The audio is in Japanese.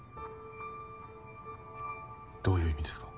どういう意味ですか？